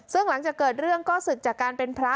ซึ่งหลังจากเกิดเรื่องก็ศึกจากการเป็นพระ